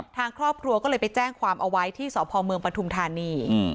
ทางครอบครัวก็เลยไปแจ้งความเอาไว้ที่สพเมืองปฐุมธานี